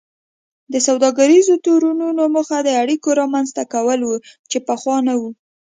د سوداګریزو تړونونو موخه د اړیکو رامینځته کول وو چې پخوا نه وو